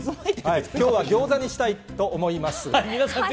今日はギョーザにしたいと思います。